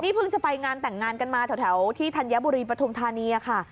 เพิ่งจะไปงานแต่งงานกันมาแถวที่ธัญบุรีปฐุมธานีค่ะ